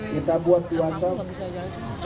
kita buat puasa